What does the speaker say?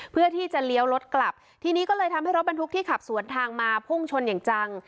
เพื่อที่จะเลี้ยวรถกลับทีนี้ก็เลยทำให้รถบรรทุกที่ขับสวนทางมาพุ่งชนอย่างจัง